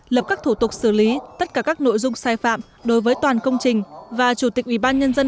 lập các thủ tục xử lý tất cả các nội dung sai phạm đối với toàn công trình và chủ tịch ủy ban nhân dân